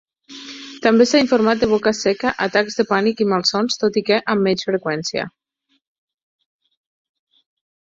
També s'ha informat de boca seca, atacs de pànic i malsons, tot i que amb menys freqüència.